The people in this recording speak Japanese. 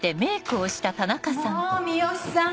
もう三好さん